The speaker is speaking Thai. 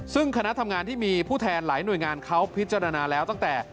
ซึ่งคณะทำงานที่มีผู้แทนหลายหน่วยงานเขาพิจารณาแล้วตั้งแต่